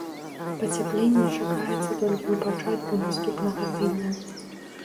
Пацяпленне чакаецца толькі ў пачатку наступнага тыдня.